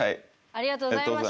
ありがとうございます。